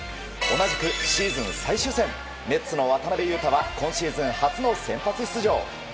同じくシーズン最終戦ネッツの渡邊雄太は今シーズン初の先発出場。